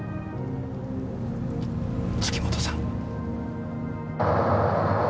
月本さん。